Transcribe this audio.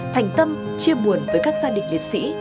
thành tâm chia buồn với các gia đình liệt sĩ